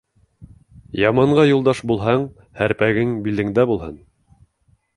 Яманға юлдаш булһаң, һәрпәгең билеңдә булһын.